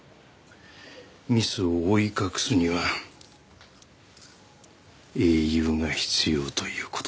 ミスを覆い隠すには英雄が必要という事です。